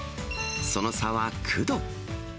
その差は９度。